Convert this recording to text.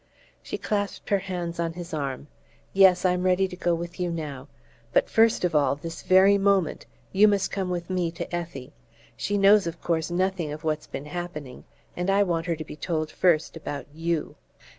She clasped her hands on his arm. "Yes, I'm ready to go with you now. But first of all this very moment! you must come with me to Effie. She knows, of course, nothing of what's been happening; and I want her to be told first about YOU."